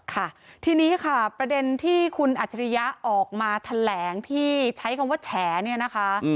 ค่ะทีนี้ค่ะประเด็นที่คุณอัจฉริยะออกมาแถลงที่ใช้คำว่าแฉเนี่ยนะคะ